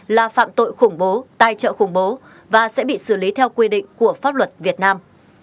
là phạm tội khủng bố tài trợ khủng bố và sẽ bị xử lý theo quy định của pháp luật việt nam